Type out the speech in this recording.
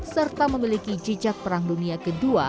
serta memiliki jejak perang dunia ii